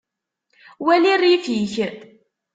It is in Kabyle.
Wali rrif-ik.